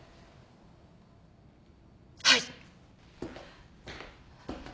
はい。